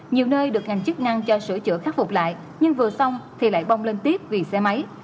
nhiều nơi được ngành chức năng cho sửa chữa khắc phục lại nhưng vừa xong thì lại bong lên tiếp vì xe máy